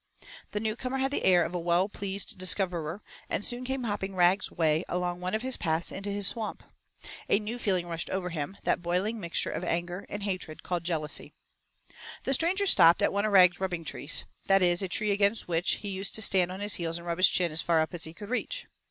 The newcomer had the air of a well pleased discoverer and soon came hopping Rag's way along one of his paths into his Swamp. A new feeling rushed over him, that boiling mixture of anger and hatred called jealousy. The stranger stopped at one of Rag's rubbing trees that is, a tree against which he used to stand on his heels and rub his chin as far up as he could reach.